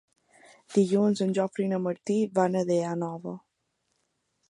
Dilluns en Jofre i en Martí van a Daia Nova.